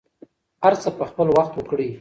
هر څه په خپل وخت وکړئ.